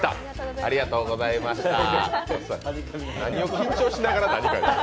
緊張しながら。